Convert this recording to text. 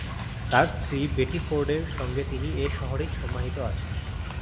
তার স্ত্রী বেটি ফোর্ডের সঙ্গে তিনি এ শহরেই সমাহিত আছেন।